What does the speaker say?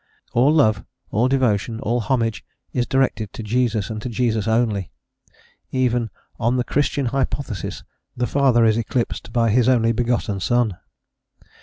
All love, all devotion, all homage, is directed to Jesus and to Jesus only: even "on the Christian hypothesis the Father is eclipsed by His only begotten Son."